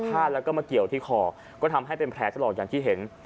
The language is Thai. ดแล้วก็มาเกี่ยวที่คอก็ทำให้เป็นแผลถลอกอย่างที่เห็น